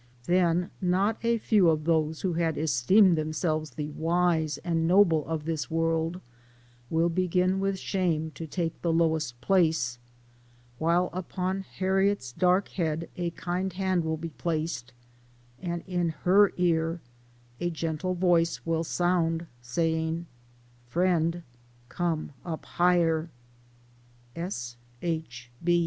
Then not a few of those who had esteemed themselves the wise and noble of this world, " will begin with shame to take the lowest place ;" while upon Harriet's dark head a kind hand will be placed, and in her ear a gentle voice will sound, saying :" Friend ! come up higher !" S. H.